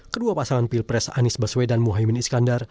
kedua pasangan pilpres anies baswedan mohaimin iskandar